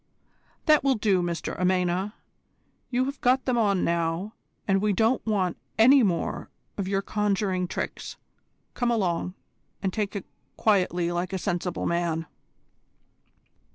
"That will do, Mr Amena. You've got them on now, and we don't want any more of your conjuring tricks. Come along, and take it quietly like a sensible man."